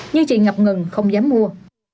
nhưng chị ngập ngừng không dám mua